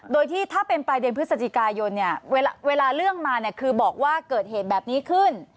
โดยที่ถ้าเป็นปลายเดือนพฤศจิกายนเนี่ยเวลาเรื่องมาเนี่ยคือบอกว่าเกิดเหตุแบบนี้ขึ้น